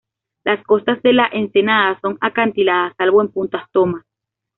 Las costas de la ensenada son acantiladas salvo en punta Thomas.